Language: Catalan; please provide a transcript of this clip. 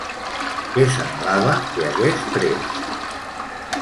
Què semblava que hagués pres?